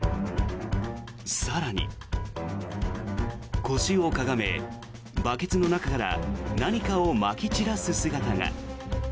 更に、腰をかがめバケツの中から何かをまき散らす姿が。